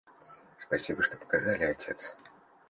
Спасибо, что показали, отец.